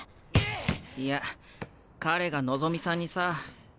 いや彼が望さんにさ。